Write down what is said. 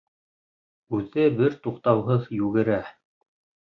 Үҙе бер туҡтауһыҙ йүгерә.